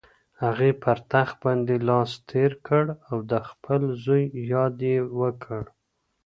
هغې پر تخت باندې لاس تېر کړ او د خپل زوی یاد یې وکړ.